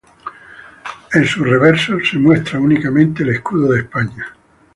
En su reverso se muestra únicamente el escudo de España.